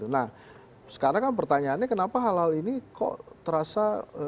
nah sekarang kan pertanyaannya kenapa hal hal ini kok terasa